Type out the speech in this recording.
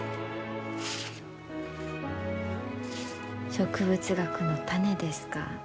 植物学の種ですか。